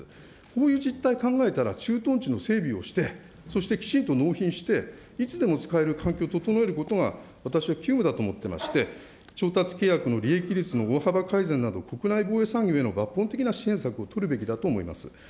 こういった実態考えたら、駐屯地の整備をして、そしてきちんと納品して、いつでも使える環境を整えることが、私は急務だと思ってまして、調達契約の利益率の大幅改善など、国内防衛産業への抜本的な支援策を取るべきだと思います。